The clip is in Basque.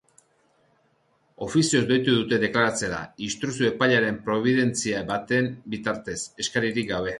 Ofizioz deitu dute deklaratzera, instrukzio epailearen probidentzia baten bitartez, eskaririk gabe.